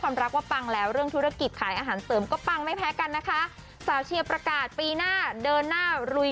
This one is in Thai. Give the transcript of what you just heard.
กำลังจะบอกแล้วว่าถ้าคุกเข่าน่าจะมี